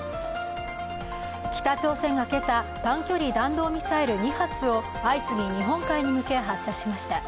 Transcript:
北朝鮮が今朝、短距離弾道ミサイル２発を相次ぎ日本海に向け発射しました。